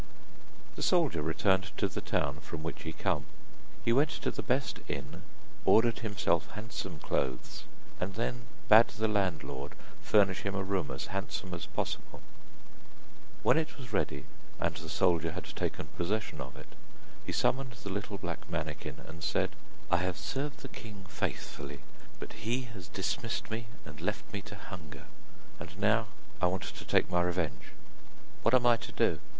The soldier returned to the town from which he came. He went to the best inn, ordered himself handsome clothes, and then bade the landlord furnish him a room as handsome as possible. When it was ready and the soldier had taken possession of it, he summoned the little black manikin and said: 'I have served the king faithfully, but he has dismissed me, and left me to hunger, and now I want to take my revenge.' 'What am I to do?